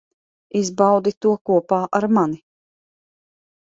Izbaudi to kopā ar mani.